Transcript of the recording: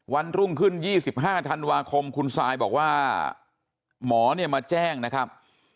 วันรุ่งขึ้น๒๕ธันวาคมคุณซายบอกว่าหมอเนี่ยมาแจ้งนะครับ